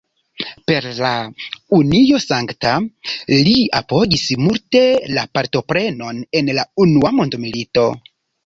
Per la "Unio Sankta", li apogis multe la partoprenon en la unua mondmilito.